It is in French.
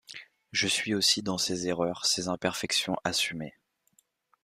Je suis aussi dans ces erreurs, ces imperfections assumées.